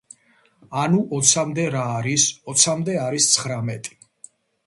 ანუ, ოცამდე რა არის? ოცამდე არის ცხრამეტი.